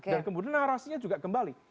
dan kemudian narasinya juga kembali